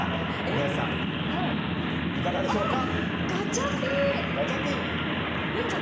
宮司さん、いかがでしょうか。